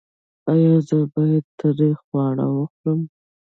ایا زه باید تریخ خواړه وخورم؟